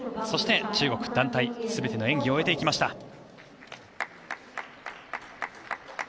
そして、中国、団体全ての演技を終えていきました。